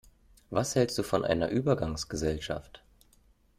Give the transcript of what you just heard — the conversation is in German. Was hältst du von einer Übergangsgesellschaft?